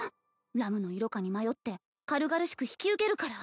ラムの色香に迷って軽々しく引き受けるから。